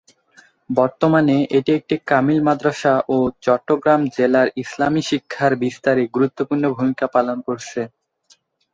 বর্তমানে এটি একটি কামিল মাদ্রাসা ও চট্টগ্রাম জেলার ইসলামি শিক্ষার বিস্তারে গুরুত্বপূর্ণ ভূমিকা পালন করছে।